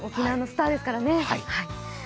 沖縄のスターですからね。